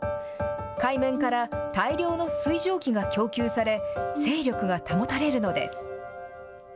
海面から大量の水蒸気が供給され、勢力が保たれるのです。